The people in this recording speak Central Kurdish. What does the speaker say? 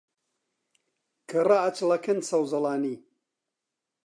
کە ڕائەچڵەکن سەوزەڵانی